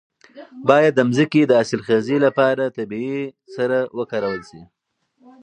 باید د ځمکې د حاصلخیزۍ لپاره طبیعي سره وکارول شي.